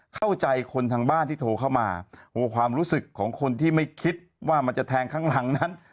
เข้าใจคนทางบ้านที่โทรเข้ามาความรู้สึกของคนที่ไม่คิดว่ามันจะแทงข้างหลังนั้น